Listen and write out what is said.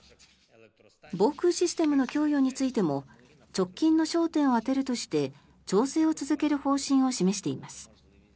防空システムの供与についても直近の焦点を当てるとして調整を続ける方針を示しています。